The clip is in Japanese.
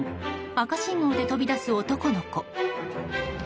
赤信号で飛び出す男の子。